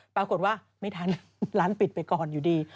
ไม่ทันร้านปิดไปก่อนอยู่ดี